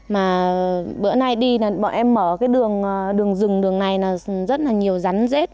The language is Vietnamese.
mà bữa nay đi là bọn em mở cái đường đường này là rất là nhiều rắn rết